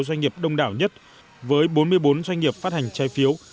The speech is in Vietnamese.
doanh nghiệp đông đảo nhất với bốn mươi bốn doanh nghiệp phát hành trái phiếu